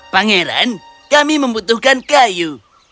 pangeran kami membutuhkan kayu